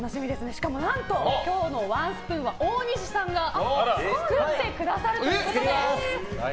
しかも今日のワンスプーンは大西さんが作ってくださるということで。